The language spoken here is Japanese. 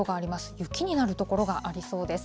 雪になる所がありそうです。